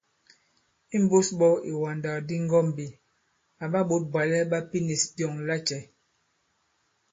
Imbūs ɓɔ̄ ìwàndàkdi ŋgɔ̄mbī, àɓa ɓǒt bwàlɛ ɓa pinīs byɔ̂ŋ lacɛ̄ ?